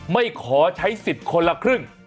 ไม่ขอใช้สิทธิ์คนละครึ่ง